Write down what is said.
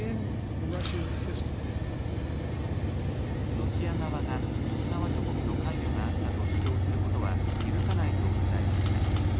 ロシア側が西側諸国の関与があったと主張することは許さないと訴えました。